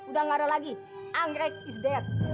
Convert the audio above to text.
udah gak ada lagi anggrek is dead